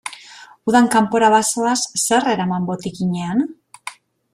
Udan kanpora bazoaz, zer eraman botikinean?